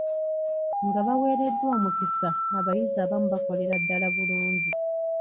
Nga baweereddwa omukisa abayizi abamu bakolera ddaala bulungi.